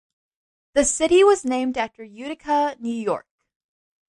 The city was named after Utica, New York.